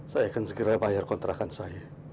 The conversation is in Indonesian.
saya akan segera bayar kontrakan saya